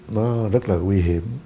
nó rất là nguy hiểm